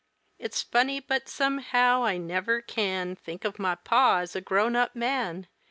It's funny, but, somehow, I never can Think of my pa as a grown up man.